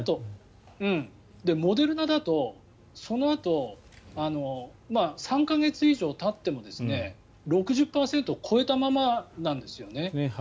モデルナだとそのあと３か月以上たっても６０％を超えたままなんですよね。